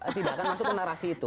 tidak akan masuk ke narasi itu